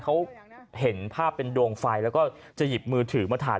เขาเห็นภาพเป็นดวงไฟแล้วก็จะหยิบมือถือมาถ่าย